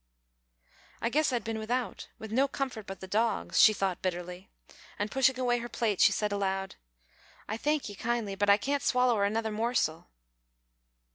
"I guess I'd bin without, with no comfort but the dogs," she thought bitterly, and pushing away her plate, she said aloud, "I thank ye kindly, but I can't swaller another morsel."